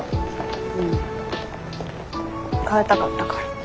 うん変えたかったから。